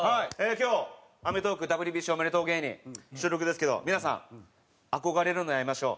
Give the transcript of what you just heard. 今日『アメトーーク』ＷＢＣおめでとう芸人収録ですけど皆さん憧れるのはやめましょう。